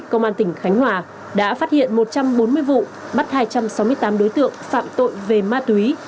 công an tỉnh khánh hòa đã phát hiện một trăm bốn mươi vụ bắt hai trăm sáu mươi tám đối tượng phạm tội về ma túy